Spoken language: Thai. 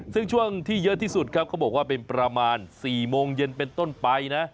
ซึ่งช่วงที่เยอะที่สุดครับเขาบอกว่าเป็นประมาณ๔โมงเย็นเป็นต้นไปนะ